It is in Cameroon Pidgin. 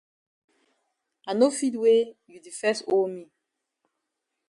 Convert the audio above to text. I no fit wey you di fes owe me.